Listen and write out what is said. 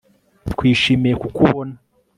Twishimiye kukubona